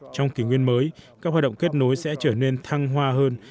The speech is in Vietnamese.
trong kỷ nguyên mới các hoạt động kết nối sẽ trở nên thăng hoa hơn